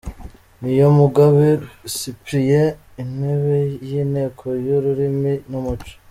Niyomugabo Cyprien, Intebe y’Inteko y’ururimi n’umuco.